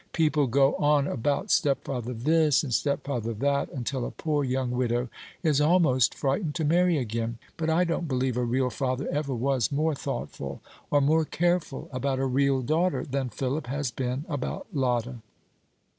People go on about stepfather this, and stepfather that, until a poor young widow is almost frightened to marry again. But I don't believe a real father ever was more thoughtful or more careful about a real daughter than Philip has been about Lotta.